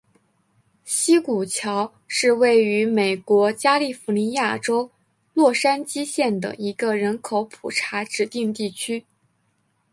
西谷桥是位于美国加利福尼亚州洛杉矶县的一个人口普查指定地区。